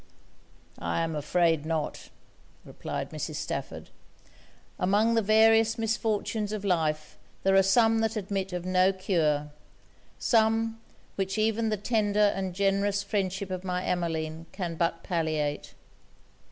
'I am afraid not,' replied Mrs. Stafford. 'Among the various misfortunes of life, there are some that admit of no cure; some, which even the tender and generous friendship of my Emmeline can but palliate.